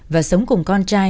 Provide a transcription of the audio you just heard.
và sống cùng con trai